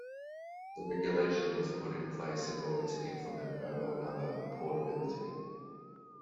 The regulation was put in place in order to implement mobile number portability.